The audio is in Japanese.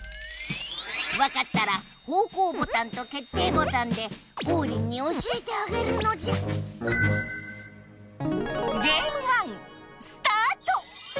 わかったら方向ボタンと決定ボタンでオウリンに教えてあげるのじゃスタート！